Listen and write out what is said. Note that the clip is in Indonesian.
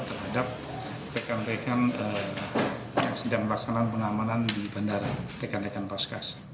terhadap rekan rekan yang sedang melaksanakan pengamanan di bandara rekan rekan paskas